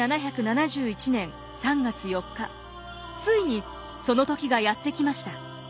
ついにその時がやって来ました。